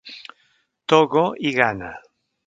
Togo i Ghana.